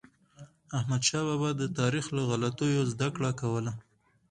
احمدشاه بابا به د تاریخ له غلطیو زدهکړه کوله.